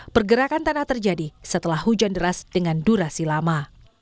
pergerakan tanah terjadi setelah hujan deras dengan durasi lama